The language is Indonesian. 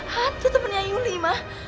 hantu temennya yuli ma